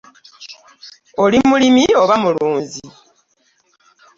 Oli mulimi oba mulunzi?